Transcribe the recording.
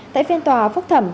tại phiên tòa phúc thẩm